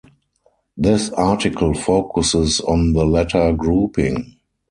This article focuses on the latter grouping.